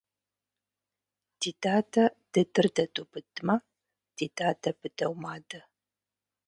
Ди дадэ дыдыр дэдубыдмэ, ди дадэ быдэу мадэ.